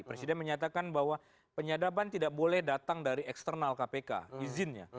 presiden menyatakan bahwa penyadaban tidak boleh datang dari eksternal kpk izinnya